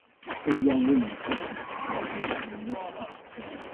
Three young women face each other while sitting on red plush chairs.